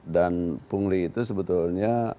dan pungguli itu sebetulnya